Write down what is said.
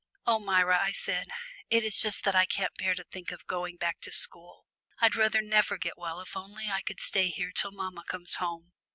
"Oh, Myra," I said, "it is just that I can't bear to think of going back to school. I'd rather never get well if only I could stay here till mamma comes home."